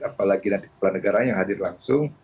apalagi nanti kepulauan negara yang hadir langsung